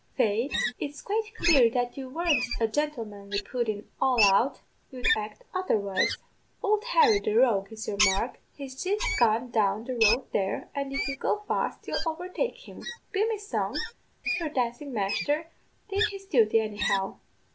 Faith, it's quite clear that if you weren't a gentlemanly pudden all out, you'd act otherwise. Ould Harry, the rogue, is your mark; he's jist gone down the road there, and if you go fast you'll overtake him. Be me song, your dancin' masther did his duty, anyhow.